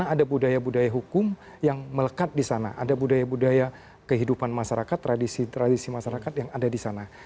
ada budaya budaya hukum yang melekat di sana ada budaya budaya kehidupan masyarakat tradisi tradisi masyarakat yang ada di sana